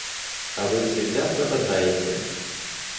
А вы всегда провожаете?